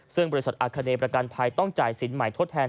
ซึ่งบริษัทอาคาเนประกันภัยต้องจ่ายสินใหม่ทดแทน